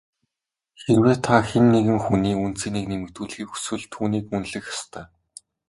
Хэрвээ та хэн нэгэн хүний үнэ цэнийг нэмэгдүүлэхийг хүсвэл түүнийг үнэлэх ёстой.